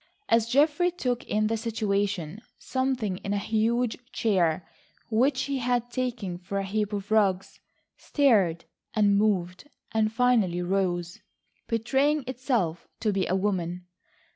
As Geoffrey took in the situation, something in a huge chair, which he had taken for a heap of rugs, stirred and moved, and finally rose, betraying itself to be a woman.